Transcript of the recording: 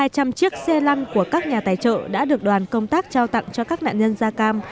hai trăm linh chiếc xe lăng của các nhà tài trợ đã được đoàn công tác trao tặng cho các nạn nhân da cam